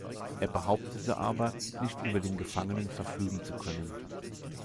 Er behauptete aber, nicht über den Gefangenen verfügen zu können.